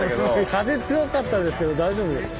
風強かったですけど大丈夫でした？